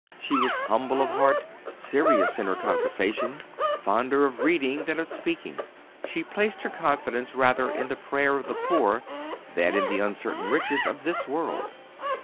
She was humble of heart, serious in her conversation, fonder of reading than of speaking. She placed her confidence rather in the prayer of the poor than in the uncertain riches of this world.